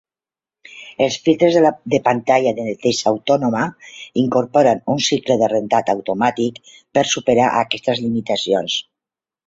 Els filtres de pantalla de neteja autònoma incorporen un cicle de rentat automàtic per superar aquestes limitacions.